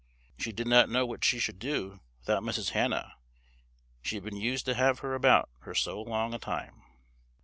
"She did not know what she should do without Mrs. Hannah, she had been used to have her about her so long a time."